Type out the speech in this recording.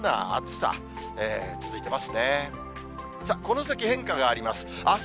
さあ、この先、変化があります。